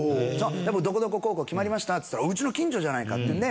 どこどこ高校決まりましたっつったらうちの近所じゃないかっていうんで。